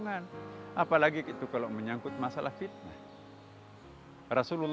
apalagi itu menyambut sesuatu yang tidak perlu